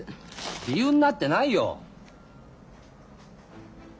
理由になってないよ。